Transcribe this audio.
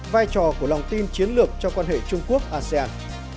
vai trò của lòng tin chiến lược trong quan hệ trung quốc asean